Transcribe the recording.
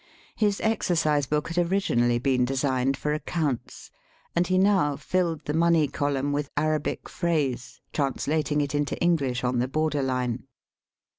His exercise book had originally been designed for accounts, and he now filled the money column with Arabic phrase, trans lating it into English on the border line.